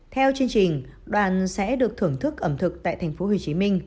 theo chương trình đoàn sẽ được thưởng thức ẩm thực tại tp hcm